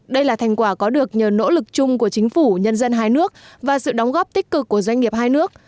đây là thành quả có được nhờ nỗ lực chung của chính phủ nhân dân hai nước và sự đóng góp tích cực của doanh nghiệp hai nước